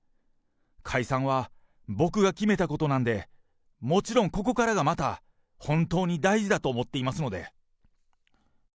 解散は僕が決めたことなんで、もちろんここからがまた本当に大事だと思っていますので。